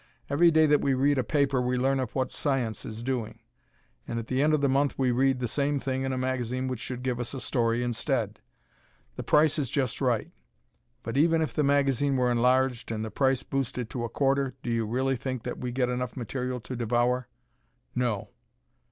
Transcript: Every day that we read a paper we learn of what science is doing. And, at the end of the month we read the same thing in a magazine which should give us a story instead. The price is just right. But, even if the magazine were enlarged and the price boosted to a quarter, do you really think that we get enough material to devour? No!